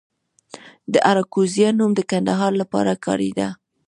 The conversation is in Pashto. د اراکوزیا نوم د کندهار لپاره کاریده